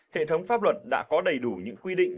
hệ thống pháp luật đã có đầy đủ những quy định